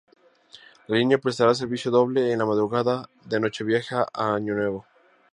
La línea prestará servicio doble en la madrugada de Nochevieja a Año Nuevo.